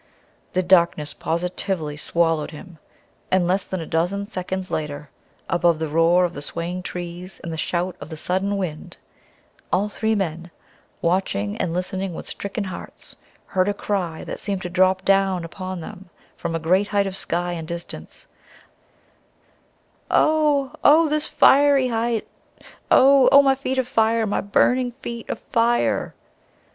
The darkness positively swallowed him; and less than a dozen seconds later, above the roar of the swaying trees and the shout of the sudden wind, all three men, watching and listening with stricken hearts, heard a cry that seemed to drop down upon them from a great height of sky and distance "Oh, oh! This fiery height! Oh, oh! My feet of fire! My burning feet of fire